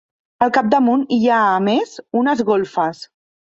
Al capdamunt, hi ha a més, unes golfes.